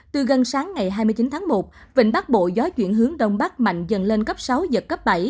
từ gần sáng ngày hai mươi chín tháng một vịnh bắc bộ gió chuyển hướng đông bắc mạnh dần lên cấp sáu giật cấp bảy